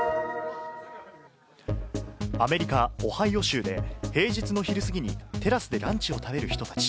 アメリカ・オハイオ州で平日の昼すぎにテラスでランチを食べる人たち。